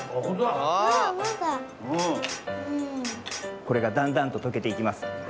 これがだんだんととけていきます。